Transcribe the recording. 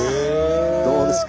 どうですか？